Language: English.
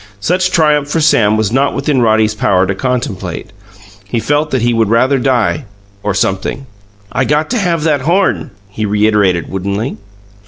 Such triumph for Sam was not within Roddy's power to contemplate; he felt that he would rather die, or sumpthing. "I got to have that horn!" he reiterated woodenly.